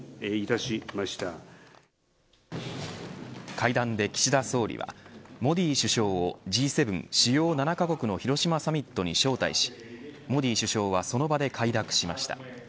会談で岸田総理はモディ首相をＧ７主要７カ国の広島サミットに招待しモディ首相はその場で快諾しました。